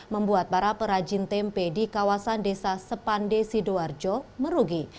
membuat para perajin tempe di kawasan desa sepande sidoarjo merugi